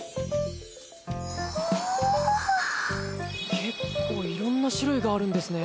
結構いろんな種類があるんですね。